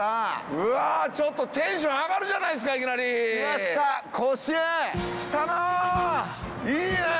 うわちょっとテンション上がるじゃないですかいきなり！来たないいね！